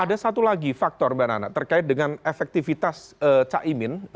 ada satu lagi faktor mbak nana terkait dengan efektivitas caimin